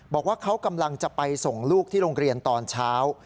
บอกว่าเขากำลังจะไปส่งลูกที่โรงเรียนตอนเช้า